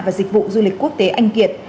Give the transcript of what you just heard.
và dịch vụ du lịch quốc tế anh kiệt